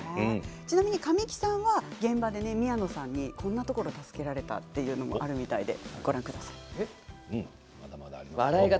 ちなみに神木さんは現場で宮野さんにこんなところを助けられたと言っています。